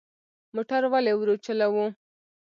موټر ولې ورو چلوو؟